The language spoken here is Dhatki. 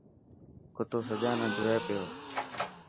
ڪتو سجانا جوئي پيو.